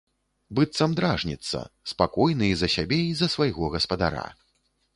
Быццам дражніцца, спакойны і за сябе і за свайго гаспадара.